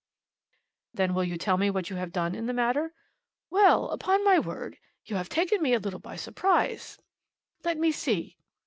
"Then, will you tell me what you have done in the matter?" "Well, upon my word, you've taken me a little by surprise. Let me see.